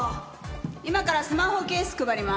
今からスマホケース配ります。